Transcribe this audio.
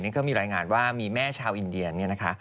ก็มีรายงานว่ามีแม่ชาวอินเดียน